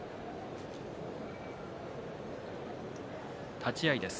立ち合いです。